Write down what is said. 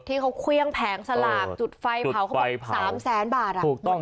ที่เขาเควี้ยงแผงสลากจุดไฟเผาถูกต้อง